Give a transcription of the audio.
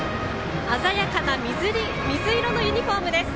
鮮やかな水色のユニフォームです。